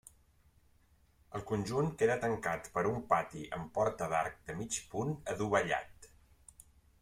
El conjunt queda tancat per un pati amb porta d'arc de mig punt adovellat.